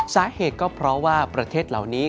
สาเหตุก็เพราะว่าประเทศเหล่านี้